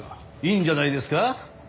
いいんじゃないですか。